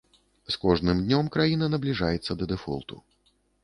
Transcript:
З кожным днём краіна набліжаецца да дэфолту.